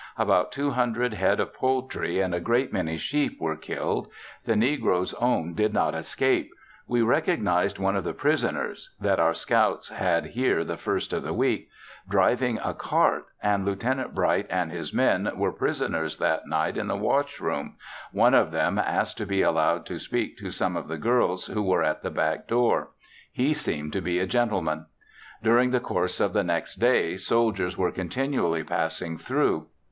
About two hundred head of poultry and a great many sheep were killed; the negroes' own did not escape! We recognized one of the prisoners (that our scouts had here the first of the week) driving a cart, and Lieut. Bright and his men were prisoners that night in the wash room, one of them asked to be allowed to speak to some of the girls who were at the back door; he seemed to be a gentleman. During the course of the next day soldiers were continually passing through.